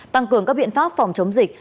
tăng cường các biện pháp phòng chống dịch